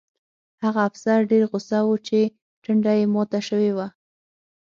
هغه افسر ډېر غوسه و چې ټنډه یې ماته شوې وه